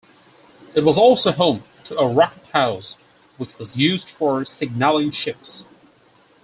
It was also home to a "Rocket House" which was used for signalling ships.